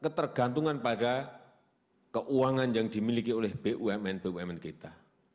ketergantungan pada keuangan yang dimiliki oleh bumn bumn kita